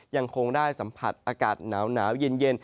ยังคงได้สัมผัสอากาศหนาวเย็น